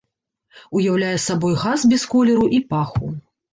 Уяўляе сабой газ без колеру і паху.